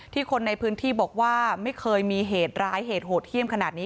คนในพื้นที่บอกว่าไม่เคยมีเหตุร้ายเหตุโหดเยี่ยมขนาดนี้